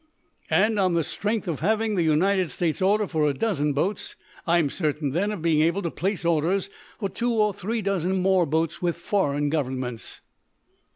"And, on the strength of having the United States' order for a dozen boats, I'm certain then, of being able to place orders for two or three dozen more boats with foreign governments."